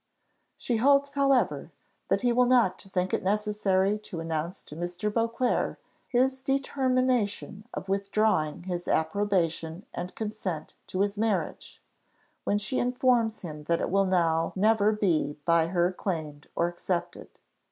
She hopes, however, that he will not think it necessary to announce to Mr. Beauclerc his determination of withdrawing his approbation and consent to his marriage, when she informs him that it will now never be by her claimed or accepted.